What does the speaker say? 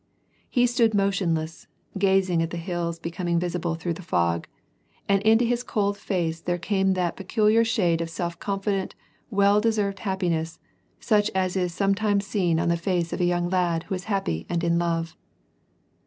He stood motionless, gazing at the hills becoming visi ble through the fog, and into his cold face there came that peculiar shade of self confident, well deserved happiness, such as is sometimes seen on the face of a young lad who is happy and in love.